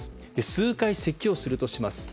数回、せきをするとします。